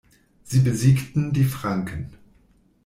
Sie besiegten die Franken.